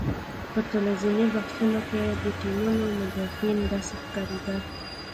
په ټلویزیوني بحثونو کې د ټیمونو مدافعین داسې ښکارېدل.